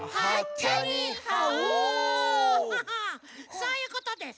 そういうことです。